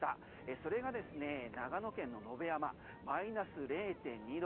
それがですね、長野県の野辺山マイナス０．２度。